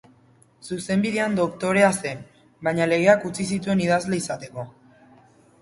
Zuzenbidean doktorea zen, baina legeak utzi zituen idazle izateko.